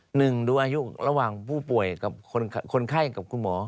หนึ่งดูอายุระหว่างผู้ป่วยกับคนไข้กับคุณหมอ